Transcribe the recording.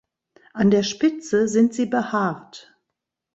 An der Spitze sind sie behaart.